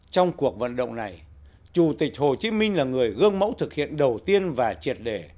trong cuộc vận động này chủ tịch hồ chí minh là người gương mẫu thực hiện đầu tiên và triệt để